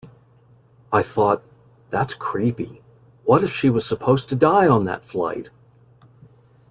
I thought, that's creepy-what if she was supposed to die on that flight?